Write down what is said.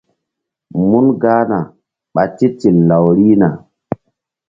Mun gahna ɓa titil law rihna.